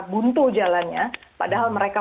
buntu jalannya padahal mereka